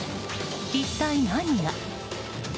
一体何が。